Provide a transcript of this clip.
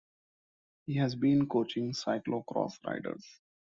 He has been coaching cyclo-cross riders.